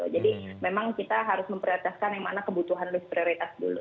jadi memang kita harus memprioritaskan yang mana kebutuhan list prioritas dulu